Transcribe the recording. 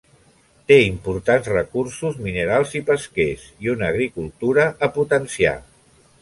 Té importants recursos minerals i pesquers i una agricultura a potenciar.